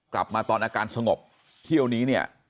กลับมาตอนอาการสงบเที่ยวนี้เนี่ย